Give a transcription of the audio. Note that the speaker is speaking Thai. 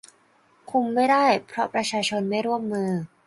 คุมไม่ได้ เพราะประชาชนไม่ร่วมมือ